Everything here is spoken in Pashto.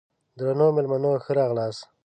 درنو مېلمنو ښه راغلاست!